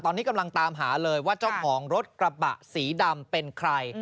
ตอนนี้กำลังตามหาเลยว่าเจ้าของรถกระบะสีดำเป็นใคร